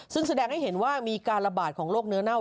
ซึ่งแสดงให้เห็นว่ามีการระบาดของโรคเนื้อเน่า